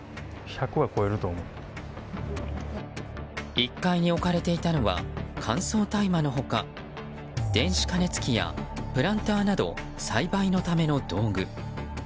１階に置かれていたのは乾燥大麻の他電子加熱器やプランターなど栽培のための道具。